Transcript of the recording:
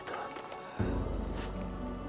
aku gak mau lagi